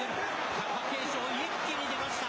貴景勝、一気に出ました。